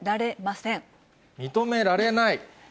認められない。